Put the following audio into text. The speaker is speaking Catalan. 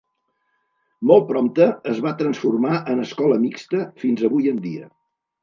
Molt prompte es va transformar en escola mixta fins avui en dia.